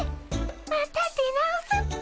また出直すっピ。